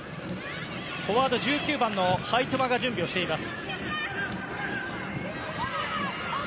フォワード１９番のハイトゥマが準備をしています。